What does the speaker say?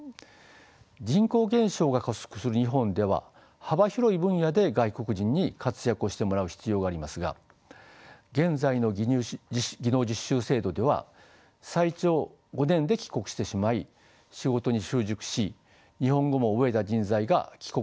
人口減少が加速する日本では幅広い分野で外国人に活躍をしてもらう必要がありますが現在の技能実習制度では最長５年で帰国してしまい仕事に習熟し日本語も覚えた人材が帰国してしまうということになります。